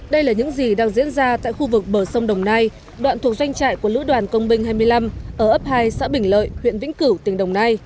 đây là những gì đang diễn ra tại khu vực bờ sông đồng nai đoạn thuộc doanh trại của lữ đoàn công binh hai mươi năm ở ấp hai xã bình lợi huyện vĩnh cửu tỉnh đồng nai